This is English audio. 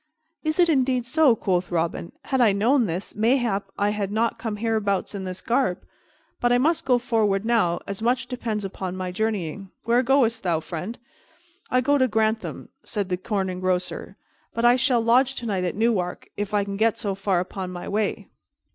"Is it indeed so?" quoth Robin. "Had I known this, mayhap I had not come hereabouts in this garb. But I must go forward now, as much depends upon my journeying. Where goest thou, friend?" "I go to Grantham," said the Corn Engrosser, "but I shall lodge tonight at Newark, if I can get so far upon my way."